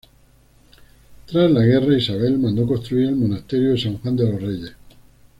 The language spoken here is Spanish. Tras la guerra Isabel mandó construir el monasterio de San Juan de los Reyes.